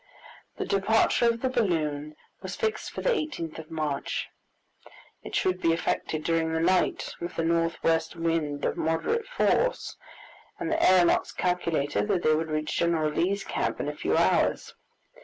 The departure of the balloon was fixed for the 18th of March. It should be effected during the night, with a northwest wind of moderate force, and the aeronauts calculated that they would reach General Lee's camp in a few hours.